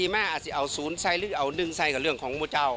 ๔มาอาจจะเอา๐ไซส์หรือเอา๑ไซส์กับเรื่องของมัวเจ้า